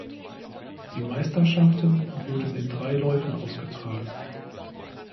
Die Meisterschaften wurden in drei Läufen ausgetragen.